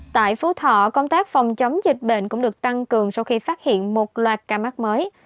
tại phú thọ công tác phòng chống dịch bệnh cũng được tăng cường sau khi phát hiện một loạt ca mắc mới